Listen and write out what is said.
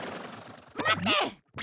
待って！